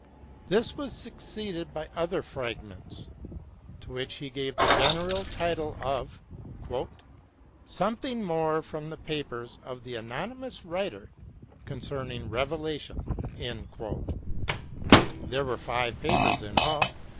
This was succeeded by other fragments, to which he gave the general title of Something More from the Papers of the Anonymous Writer concerning Revelation." There were five papers in all.